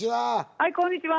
はいこんにちは。